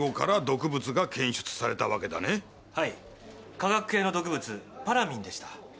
化学系の毒物パラミンでした。